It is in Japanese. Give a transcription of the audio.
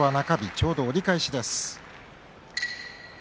ちょうど折り返しです。